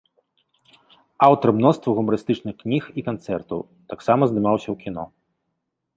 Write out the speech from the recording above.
Аўтар мноства гумарыстычных кніг і канцэртаў, таксама здымаўся ў кіно.